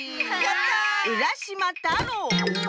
うらしまたろう。